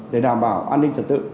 để đảm bảo an ninh trật tự